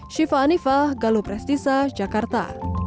syifa anifah galuh prestisa jakarta